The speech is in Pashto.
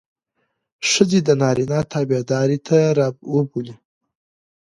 ښځې د نارينه تابعدارۍ ته رابولي.